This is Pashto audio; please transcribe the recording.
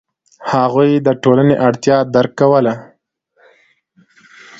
هغوی د ټولنې اړتیا درک کوله.